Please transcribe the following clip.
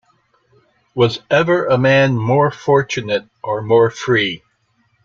Was ever a man more fortunate or more free?